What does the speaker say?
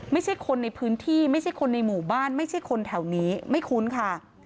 ไม่ใช่คนในพื้นที่ไม่ใช่คนในหมู่บ้านไม่ใช่คนแถวนี้ไม่คุ้นค่ะ